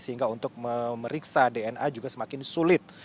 sehingga untuk memeriksa dna juga semakin sulit